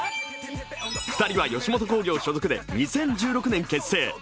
２人は吉本興業所属で２０１６年結成。